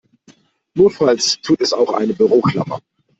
Notfalls tut es auch eine Büroklammer.